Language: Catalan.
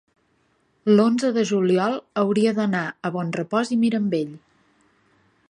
L'onze de juliol hauria d'anar a Bonrepòs i Mirambell.